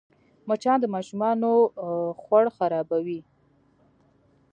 مچان د ماشومانو خوړ خرابوي